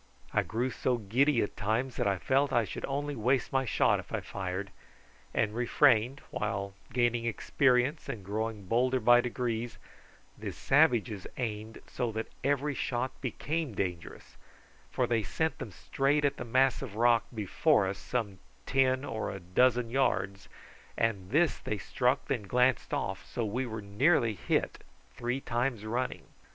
I grew so giddy at times that I felt that I should only waste my shot if I fired, and refrained, while, gaining experience and growing bolder by degrees, the savages aimed so that every shot became dangerous, for they sent them straight at a mass of rock before us some ten or a dozen yards, and this they struck and then glanced off, so that we were nearly hit three times running.